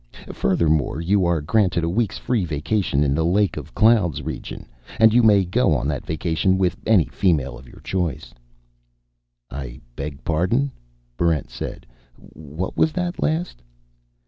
Furthermore, you are granted a week's free vacation in the Lake of Clouds region; and you may go on that vacation with any female of your choice." "I beg pardon?" Barrent said. "What was that last?"